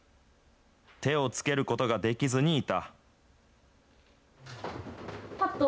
手をつけることができずにいた。